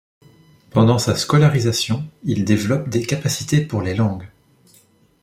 Pendant sa scolarisation, il développe des capacités pour les langues.